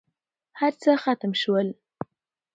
هرڅه ختم شول.